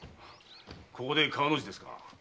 ここで川の字ですか。